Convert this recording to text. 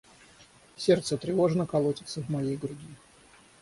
Сердце тревожно колотится в моей груди.